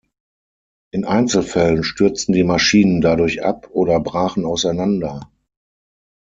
In Einzelfällen stürzten die Maschinen dadurch ab oder brachen auseinander.